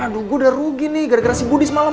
aduh gue udah rugi nih gara gara si budis malam